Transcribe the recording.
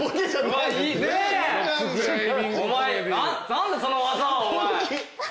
何だその技はお前。